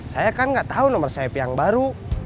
saya kan nggak tahu nomor sayap yang baru